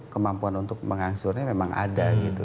kemampuan untuk mengangsurnya memang ada gitu